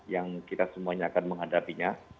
yang kita semuanya akan menghadapinya